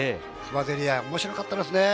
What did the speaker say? ぜりあい、面白かったですね。